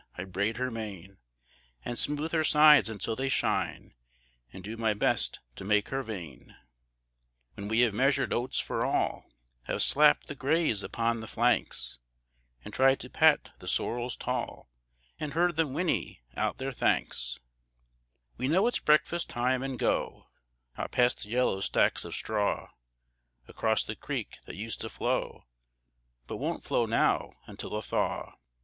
I braid her mane, An' smooth her sides until they shine, An' do my best to make her vain. When we have measured oats for all, Have slapped the grays upon the flanks, An' tried to pat the sorrels tall, An' heard them whinny out their thanks, We know it's breakfast time, and go Out past the yellow stacks of straw, Across the creek that used to flow, But won't flow now until a thaw.